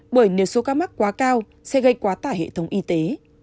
bởi nếu số ca mắc quá cao sẽ gây quá tải hệ thống y tế